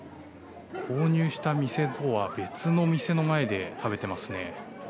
購入した店とは別の店の前で食べてますね。